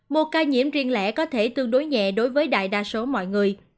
một ca nhiễm riêng lẻ có thể tương đối nhẹ đối với đại đa số mọi người